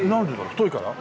太いから？